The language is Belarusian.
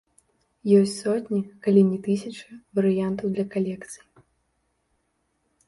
Ёсць сотні, калі не тысячы, варыянтаў для калекцый.